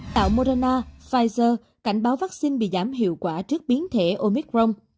tạo morana pfizer cảnh báo vaccine bị giảm hiệu quả trước biến thể omicron